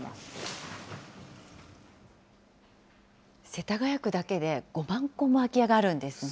世田谷区だけで５万戸も空き家があるんですね。